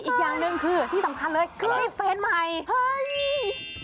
อีกอย่างหนึ่งคือที่สำคัญเลยคือแฟนใหม่เฮ้ย